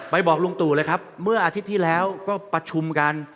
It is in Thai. บอกลุงตู่เลยครับเมื่ออาทิตย์ที่แล้วก็ประชุมกัน